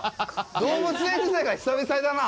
動物園自体が久々だな。